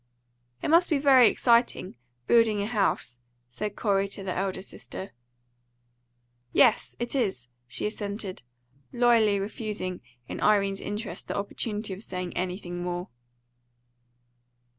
"It must be very exciting, building a house," said Corey to the elder sister. "Yes, it is," she assented, loyally refusing in Irene's interest the opportunity of saying anything more.